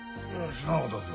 知らなかったっすよ。